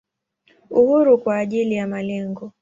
Uhuru kwa ajili ya malengo.